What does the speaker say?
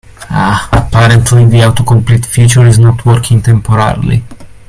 Apparently, the autocomplete feature is not working temporarily.